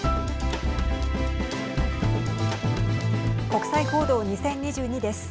国際報道２０２２です。